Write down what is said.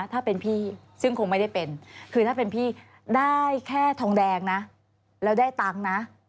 ถ้าเป็นพี่ซึ่งคงไม่ได้เป็นคือถ้าเป็นพี่ได้แค่ทองแดงนะแล้วได้ตังค์นะ